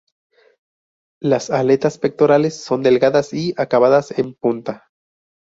Las aletas pectorales son delgadas y acabadas en punta.